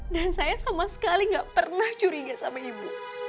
dan saya sama sekali gak pernah curiga sama ibu